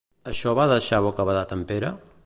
Això va deixar bocabadat en Pere?